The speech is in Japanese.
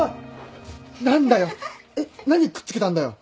何だよえっ何くっつけたんだよ！？